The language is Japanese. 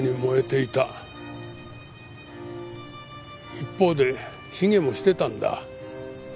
一方で卑下もしていたんだ。